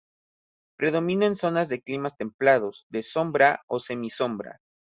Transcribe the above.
Predomina en zonas de climas templados, de sombra o semi-sombra.